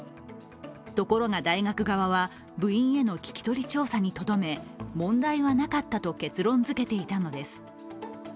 ところが大学側は、部員への聞き取り調査にとどめ問題はなかったと結論づけていたのです。